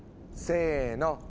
せの。